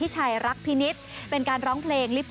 เช่นพ